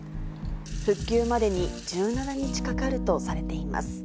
復旧までに１７日かかるとされています。